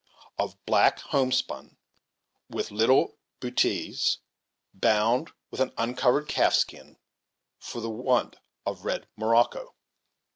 of black homespun, with little bootees, bound with an uncolored calf skin for the want of red morocco.